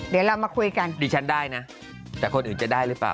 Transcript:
เดี๋ยวเรามาคุยกันดิฉันได้นะแต่คนอื่นจะได้หรือเปล่า